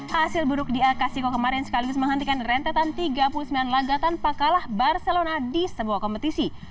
hasil buruk di akasiko kemarin sekaligus menghentikan rentetan tiga puluh sembilan laga tanpa kalah barcelona di sebuah kompetisi